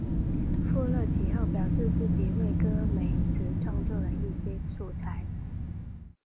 富勒其后表示自己为戈梅兹创作了一些素材。